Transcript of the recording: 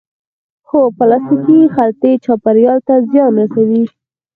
هو، پلاستیکی خلطی چاپیریال ته زیان رسوی